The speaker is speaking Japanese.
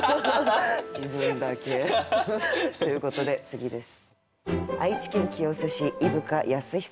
自分だけ。ということで次です。